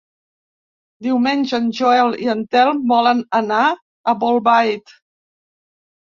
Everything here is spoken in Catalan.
Diumenge en Joel i en Telm volen anar a Bolbait.